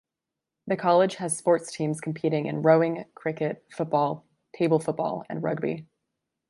The college has sports teams competing in rowing, cricket, football, table football and rugby.